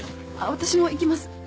私も行きます。